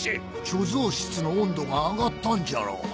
貯蔵室の温度が上がったんじゃろう。